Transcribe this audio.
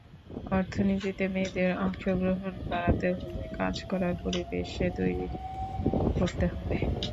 অর্থনীতিতে মেয়েদের অংশগ্রহণ বাড়াতে হলে কাজ করার পরিবেশে তৈরি করতে হবে।